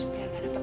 biar gak dapet